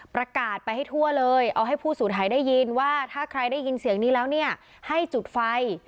ประกาศไปให้ทั่วเลยเอาให้ผู้สูญหายได้ยินว่าถ้าใครได้ยินเสียงนี้แล้วเนี่ยให้จุดไฟ